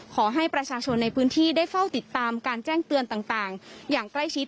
ขอให้ประชาชนในพื้นที่ได้เฝ้าติดตามการแจ้งเตือนต่างอย่างใกล้ชิด